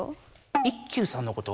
一休さんのこと？